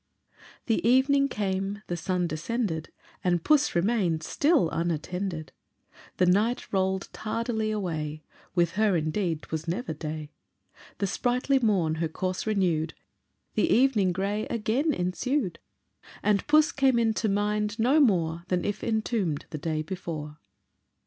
The evening came, the sun descended, And Puss remain'd still unattended. The night roll'd tardily away, (With her indeed 'twas never day,) The sprightly morn her course renew'd, The evening grey again ensued, And puss came into mind no more Than if entomb'd the day before.